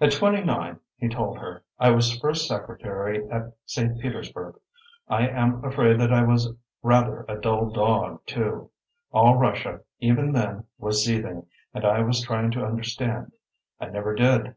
"At twenty nine," he told her, "I was First Secretary at St. Petersburg. I am afraid that I was rather a dull dog, too. All Russia, even then, was seething, and I was trying to understand. I never did.